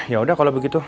yaudah kalau begitu